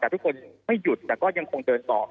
แต่ทุกคนไม่หยุดแต่ก็ยังคงเดินต่อ